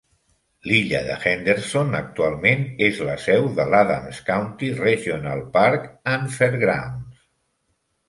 L'illa de Henderson actualment és la seu de l'Adams County Regional Park and Fairgrounds.